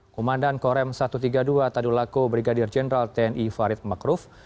komandan korem satu ratus tiga puluh dua tadulako brigadir jenderal tni farid makruf